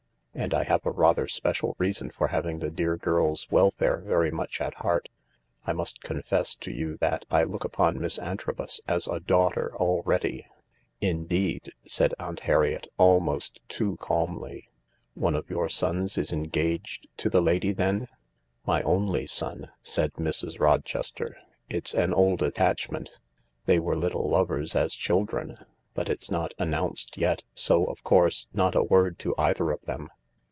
And I have a rather special reason for having the dear girl's welfare very much at heart. I must confess to you that I look upon Miss Antrobus as a daughter already." 11 Indeed," said Aunt Harriet, almost too calmly ;" one of your sons is engaged to the lady then ?"" My only son, " said Mrs. Rochester. "It's an old attach ment — they were little lovers as children — but it's not announced yet, so, of course, not a word to either of them.